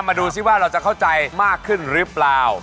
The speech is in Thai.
มาดูซิว่าเราจะเข้าใจมากขึ้นหรือเปล่า